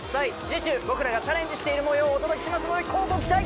次週僕らがチャレンジしている模様をお届けしますので乞うご期待！